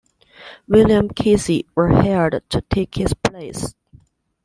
William Casey was hired to take his place.